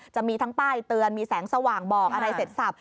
จะมีทั้งป้ายเตือนมีแสงสว่างบอกอะไรเสร็จสับ